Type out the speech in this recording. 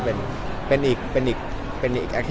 จุดที่คุยกันด่วนกัน